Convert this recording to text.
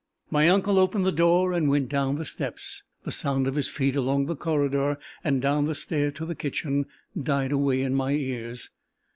My uncle opened the door, and went down the steps. The sound of his feet along the corridor and down the stair to the kitchen, died away in my ears.